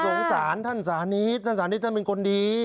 สงสารท่านสานิทท่านสานิทท่านเป็นคนดี